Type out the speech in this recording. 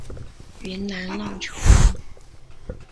云南浪穹人。